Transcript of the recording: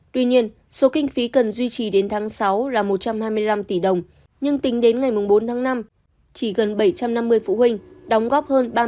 tuy nhiên số kinh phí cần duy trì đến tháng sáu là một trăm hai mươi năm tỷ đồng nhưng tính đến ngày bốn tháng năm chỉ gần bảy trăm năm mươi phụ huynh đóng góp hơn ba mươi tỷ đồng